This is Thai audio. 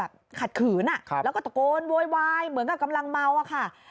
ท่าทีเหมือนกับขัดขืนแล้วก็ตะโกนโวยวายเหมือนกับกำลังเมาอะค่ะ